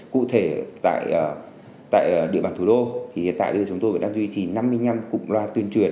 cụ thể tại địa bàn thủ đô thì hiện tại bây giờ chúng tôi vẫn đang duy trì năm mươi năm cụm loa tuyên truyền